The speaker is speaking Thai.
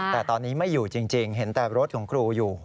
แต่ตอนนี้ไม่อยู่จริงเห็นแต่รถของครูอยู่